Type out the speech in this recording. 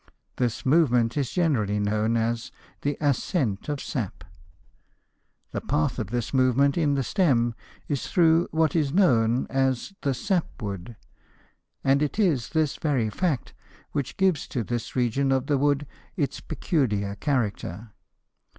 This movement is generally known as the "ascent of sap." The path of this movement in the stem is through what is known as the "sap wood," and it is this very fact which gives to this region of the wood its peculiar character.